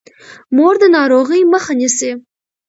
مور د ناروغۍ مخه نیسي.